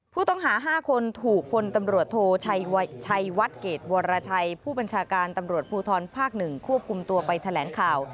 ผู้ต้องหา๕คนถูกพลตำรวจโทชัยวัดเกรดวรชัยผู้บัญชาการตำรวจภูทรภาค๑ควบคุมตัวไปแถลงข่าว